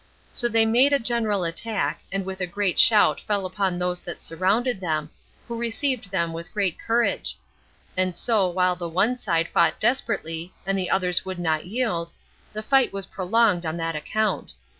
So they made a general attack, and with a great shout fell upon those that surrounded them, who received them with great courage; and so while the one side fought desperately, and the others would not yield, the fight was prolonged on that account.